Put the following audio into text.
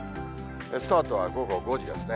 スタートは午後５時ですね。